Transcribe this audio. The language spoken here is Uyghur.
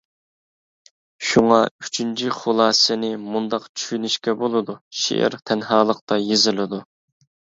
شۇڭا، ئۈچىنچى خۇلاسىنى مۇنداق چۈشىنىشكە بولىدۇ: شېئىر تەنھالىقتا يېزىلىدۇ.